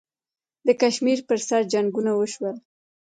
د کشمیر پر سر جنګونه وشول.